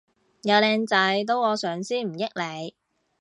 有靚仔都我上先唔益你